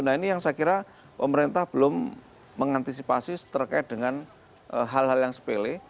nah ini yang saya kira pemerintah belum mengantisipasi terkait dengan hal hal yang sepele